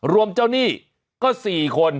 รวมเจ้าหนี้ก็๔คน